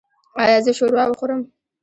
ایا زه شوروا وخورم؟